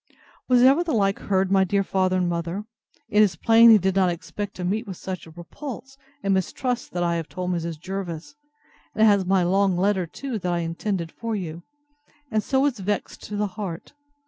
Was ever the like heard, my dear father and mother? It is plain he did not expect to meet with such a repulse, and mistrusts that I have told Mrs. Jervis, and has my long letter too, that I intended for you; and so is vexed to the heart.